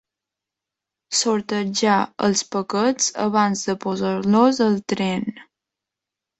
Sortejar els paquets abans de posar-los al tren.